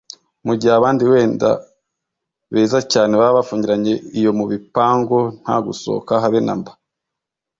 mu gihe abandi wenda beza cyane baba bafungiranye iyo mubipangu nta gusohoka habe namba